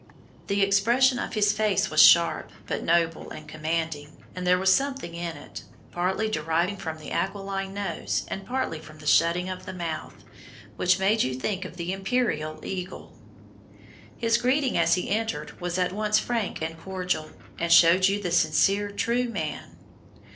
The expression of his face was sharp, but noble and commanding, and there was something in it, partly derived from the aquiline nose and partly from the shutting of the mouth, which made you think of the imperial eagle. "His greeting as he entered, was at once frank and cordial, and showed you the sincere true man.